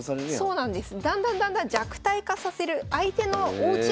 そうなんです。